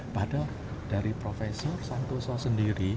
padahal dari prof santoso sendiri